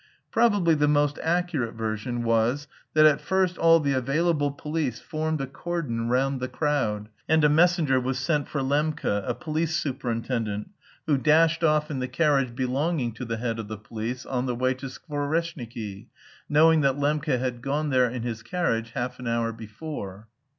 Probably the most accurate version was that at first all the available police formed a cordon round the crowd, and a messenger was sent for Lembke, a police superintendent, who dashed off in the carriage belonging to the head of the police on the way to Skvoreshniki, knowing that Lembke had gone there in his carriage half an hour before.